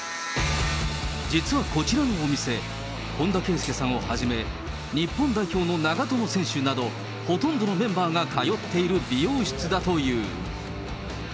実はこちらのお店、本田圭佑さんをはじめ、日本代表の長友選手など、ほとんどのメンバーが通っている美容室だという。